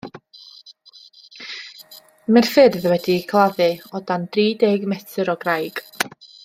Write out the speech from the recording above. Mae'r ffyrdd wedi'u claddu o dan dri deg metr o graig.